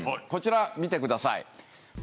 こちら見てください。